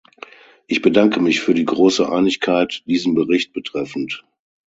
Ich bedanke mich für die große Einigkeit diesen Bericht betreffend.